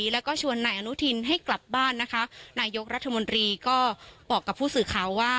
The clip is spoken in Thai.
แล้วก็ชวนนายอนุทินให้กลับบ้านนะคะนายกรัฐมนตรีก็บอกกับผู้สื่อข่าวว่า